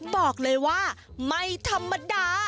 บอกเลยว่าไม่ธรรมดา